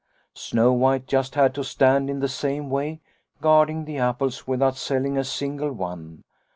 " Snow White just had to stand there in the same way, guarding the apples without selling a single one.